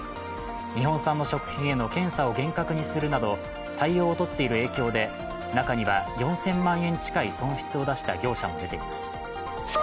日本産の食品への検査を厳格にするなど対応を取っている影響で、中には４０００万円近い損失を出した業者も出ています。